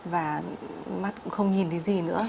và mắt cũng không nhìn thấy gì nữa